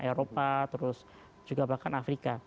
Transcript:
eropa terus juga bahkan afrika